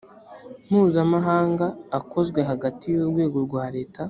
mpuzamahanga akozwe hagati y urwego rwa leta